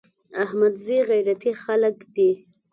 احمدزي غيرتي خلک دي.